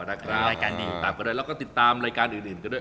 รายการดีติดตามก็ได้แล้วก็ติดตามรายการอื่นกันด้วย